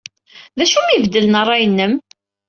D acu ay am-ibeddlen ṛṛay-nnem?